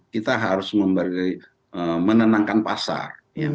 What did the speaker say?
kita harus menenangkan pasar